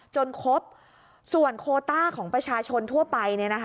จนครบส่วนโคต้าของประชาชนทั่วไป